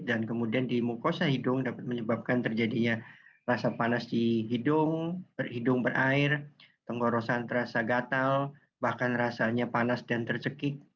dan kemudian di mukosa hidung dapat menyebabkan terjadinya rasa panas di hidung hidung berair tenggorosan terasa gatal bahkan rasanya panas dan tercekik